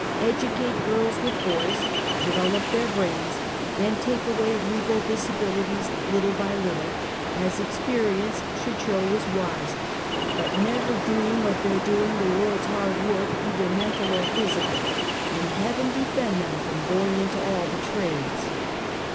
Educate girls with boys, develop their brains, and take away legal disabilities little by little, as experience should show was wise; but never dream of their doing the world's hard work, either mental or physical; and Heaven defend them from going into all the trades.